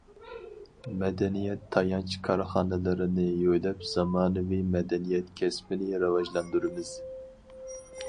مەدەنىيەت تايانچ كارخانىلىرىنى يۆلەپ، زامانىۋى مەدەنىيەت كەسپىنى راۋاجلاندۇرىمىز.